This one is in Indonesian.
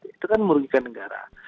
itu kan merugikan negara